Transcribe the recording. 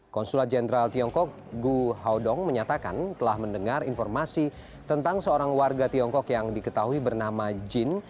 konsulat jenderal tiongkok gu haudong menyatakan telah mendengar informasi tentang seorang warga tiongkok yang diketahui bernama jin